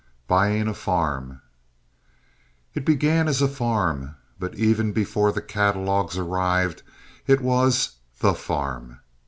Buying a Farm It began as "a farm," but even before the catalogues arrived it was "the farm."